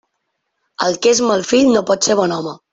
El que és mal fill no pot ser bon home.